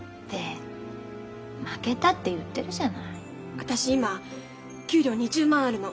私今給料２０万あるの。